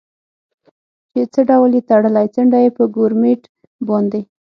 چې څه ډول یې تړلی، څنډه یې په ګورمېټ باندې.